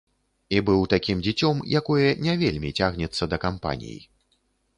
І быў такім дзіцём, якое не вельмі цягнецца да кампаній.